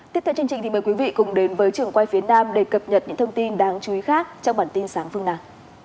tiếp theo chương trình thì mời quý vị cùng đến với trường quay phía nam để cập nhật những thông tin đáng chú ý khác trong bản tin sáng phương nào